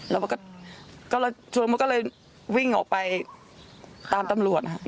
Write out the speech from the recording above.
แล้วก็ก็เลยจริงโหมดก็เลยวิ่งออกไปตามตำรวจครับ